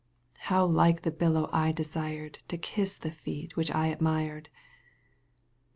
How like the billow I desired To kiss the feet which I admired !